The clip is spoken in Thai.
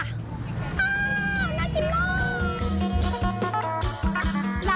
อ้าวน่ากินมาก